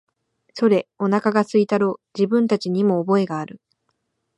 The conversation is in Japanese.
それ、おなかが空いたろう、自分たちにも覚えがある、